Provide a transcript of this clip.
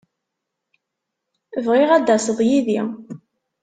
Bɣiɣ ad d-taseḍ yid-i.